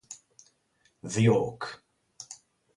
The Hawk